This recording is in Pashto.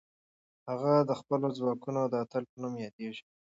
هغه د خپلو ځواکونو د اتل په نوم یادېږي.